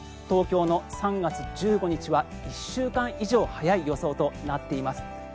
東京の３月１５日は１週間以上早い予想となっています。